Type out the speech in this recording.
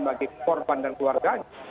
bagi korban dan keluarganya